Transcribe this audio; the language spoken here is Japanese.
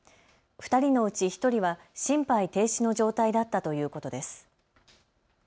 ２人のうち１人は心肺停止の状態だったということです。